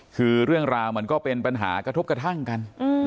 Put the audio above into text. คือเรื่องราวมันก็เป็นปัญหากระทบกระทั่งกัน